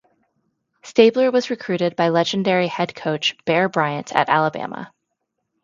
Stabler was recruited by legendary head coach Bear Bryant at Alabama.